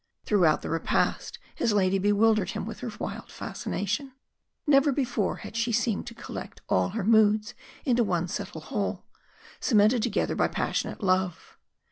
Throughout the repast his lady bewildered him with her wild fascination. Never before had she seemed to collect all her moods into one subtle whole, cemented together by passionate love.